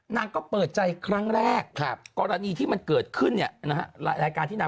นางก็เปิดใจครั้งแรกกรณีที่มันเกิดขึ้นเนี่ยนะฮะรายการที่นาง